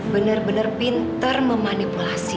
bener bener pinter memanipulasi